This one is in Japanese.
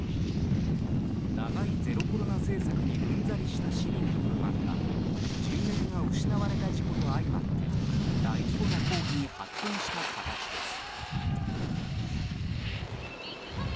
長いゼロコロナ政策にうんざりした市民の不満が人命が失われた事故と相まって大規模な抗議に発展した形です。